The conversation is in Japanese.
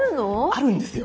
あるんですよ